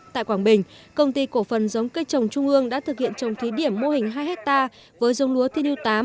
tại quảng bình công ty cổ phần giống cây trồng trung ương đã thực hiện trồng thí điểm mô hình hai hectare với giống lúa thiên hữu tám